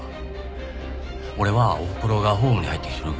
俺はおふくろがホームに入って一人暮らしや。